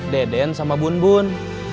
deden sama bun bun